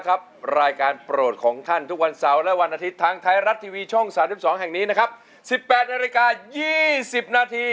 ในรายการร้องได้ให้ล้านลูกทุ่งสู้ชีพ